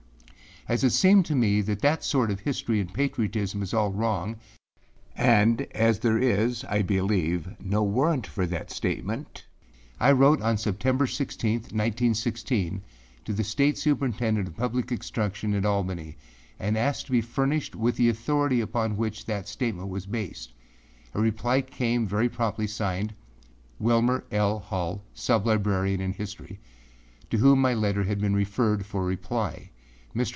As it seemed to me that that sort of history and patriotism is all wrong and as there is, I believe, no warrant for that statement, I wrote on September 16, 1916, to the State Superintendent of Public Instruction at Albany, and asked to be furnished with the authority upon which that statement was based. A reply came very promptly signed âWilmer L. Hall, Sub librarian in history,â to whom my letter had been referred for reply. Mr.